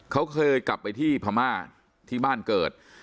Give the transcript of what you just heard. เขาเคยกลับไปที่พม่าที่บ้านเกิด